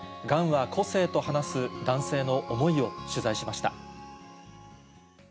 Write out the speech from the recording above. がんは個性と話す男性の思いを取材しました。